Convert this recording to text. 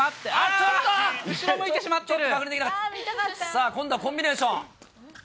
さあ、今度はコンビネーション。